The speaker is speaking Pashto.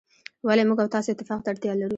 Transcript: ولي موږ او تاسو اتفاق ته اړتیا لرو.